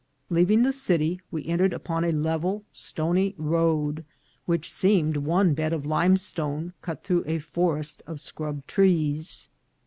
Leaving the city, we entered upon a level stony road, which seemed one bed of limestone, cut through a forest of scrub trees.